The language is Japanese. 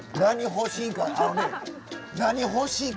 何欲しいんか。